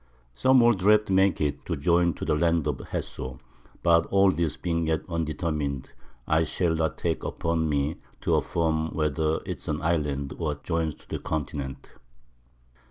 Some old Draughts make it to join to the Land of Jesso, but all this being yet undetermin'd, I shall not take upon me to affirm whether it's an Island, or joins to the Continent.